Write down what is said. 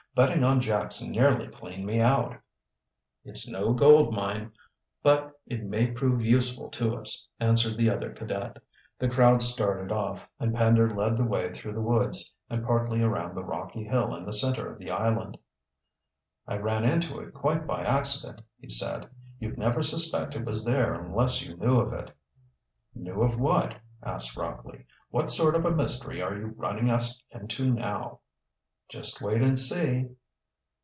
Betting on Jackson nearly cleaned me out." "It's no gold mine, but it may prove useful to us," answered the other cadet. The crowd started off, and Pender led the way through the woods and partly around the rocky hill in the center of the island. "I ran into it quite by accident," he said. "You'd never suspect it was there unless you knew of it." "Knew of what?" asked Rockley. "What sort of a mystery are you running us into now?" "Just wait and see."